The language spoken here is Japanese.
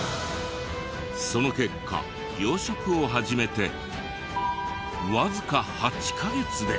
その結果養殖を始めてわずか８カ月で。